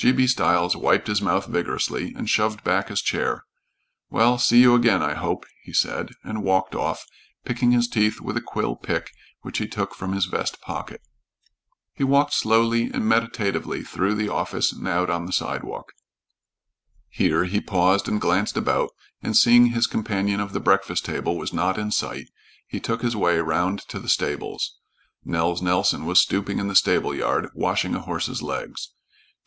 G. B. Stiles wiped his mouth vigorously and shoved back his chair. "Well, see you again, I hope," he said, and walked off, picking his teeth with a quill pick which he took from his vest pocket. He walked slowly and meditatively through the office and out on the sidewalk. Here he paused and glanced about, and seeing his companion of the breakfast table was not in sight, he took his way around to the stables. Nels Nelson was stooping in the stable yard, washing a horse's legs.